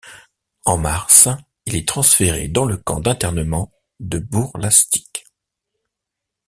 En mars, il est transféré dans le camp d’internement de Bourg-Lastic.